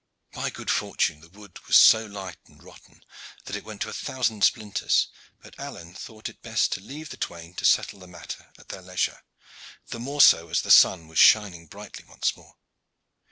By good fortune, the wood was so light and rotten that it went to a thousand splinters, but Alleyne thought it best to leave the twain to settle the matter at their leisure, the more so as the sun was shining brightly once more.